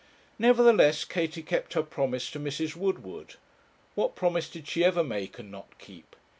Nevertheless, Katie kept her promise to Mrs. Woodward. What promise did she ever make and not keep?